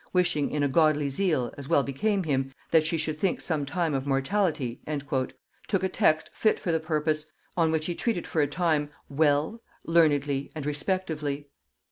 wishing in a godly zeal, as well became him, that she should think sometime of mortality," took a text fit for the purpose, on which he treated for a time "well," "learnedly," and "respectively."